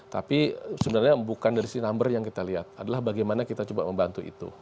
tapi sebenarnya bukan dari si number yang kita lihat adalah bagaimana kita coba membantu itu